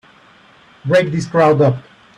Break this crowd up!